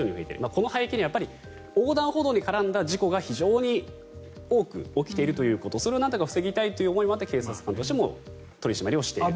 この背景には横断歩道に絡んだ事故が多く起きているということそれをなんとか防ぎたいということがあって警察庁としても取り締まりをしている。